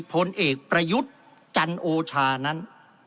ผลเอกประยุทธ์จันโอชานั้น